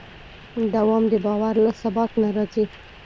دوام د باور له ثبات نه راځي.